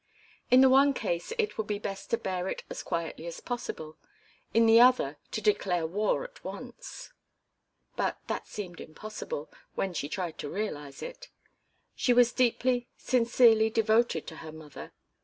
In the one case it would be best to bear it as quietly as possible, in the other to declare war at once. But that seemed impossible, when she tried to realize it. She was deeply, sincerely devoted to her mother.